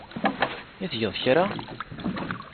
I tgeḍ kra?